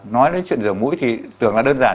nói đến chuyện rửa mũi thì tưởng là đơn giản